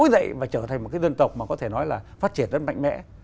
để trở thành một dân tộc có thể nói là phát triển rất mạnh mẽ